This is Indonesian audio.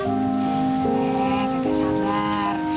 eh teteh sabar